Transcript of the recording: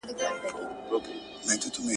شاه شجاع مړینه د واک په برخه کې لویه تشه پرېښوده.